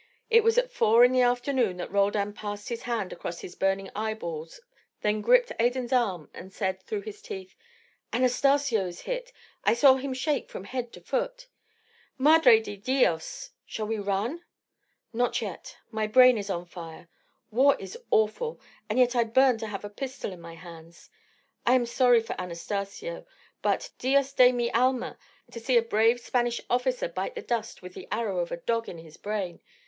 It was at four in the afternoon that Roldan passed his hand across his burning eyeballs, then gripped Adan's arm and said through his teeth, "Anastacio is hit. I saw him shake from head to foot." "Madre de dios! Shall we run?" "Not yet. My brain is on fire. War is awful, and yet I burn to have a pistol in my hands. I am sorry for Anastacio but Dios de mi alma! to see a brave Spanish officer bite the dust with the arrow of a dog in his brain!